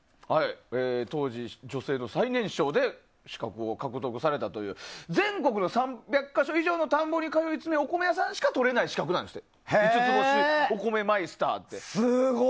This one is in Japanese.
当時、女性の最年少で資格を獲得されたという全国３００か所以上のお米屋さんしか取れない資格五ツ星お米マイスターって。